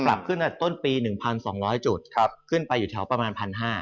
ปรับขึ้นต้นปี๑๒๐๐จุดขึ้นไปอยู่แถวประมาณ๑๕๐๐